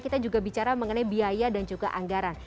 kita juga bicara mengenai biaya dan juga anggaran